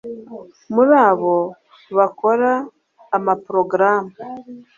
muri abo bakora amaporogaramu,